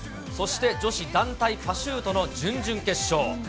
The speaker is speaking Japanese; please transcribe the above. そして女子団体パシュートの準々決勝。